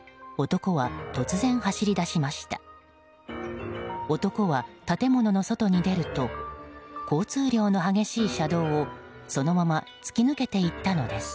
男は建物の外に出ると交通量の激しい車道をそのまま突き抜けていったのです。